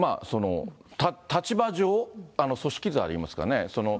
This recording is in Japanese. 立場上、組織図がありますかね。